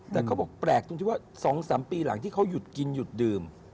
แต่เขาบอกแปลกตรงที่ว่า๒๓ปีหลังที่เขาหยุดกินหยุดดื่ม